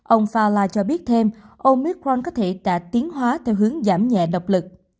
ông fala cho biết thêm omicron có thể đã tiến hóa theo hướng giảm nhẹ độc lực